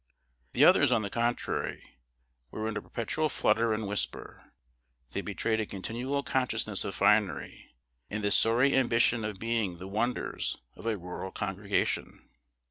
The others, on the contrary, were in a perpetual flutter and whisper; they betrayed a continual consciousness of finery, and the sorry ambition of being the wonders of a rural congregation.